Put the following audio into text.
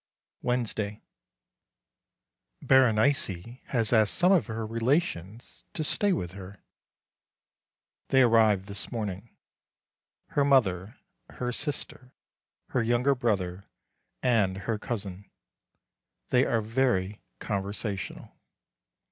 Wednesday. Berenice has asked some of her relations to stay with her. They arrived this morning. Her mother, her sister, her younger brother, and her cousin. They are very conversational.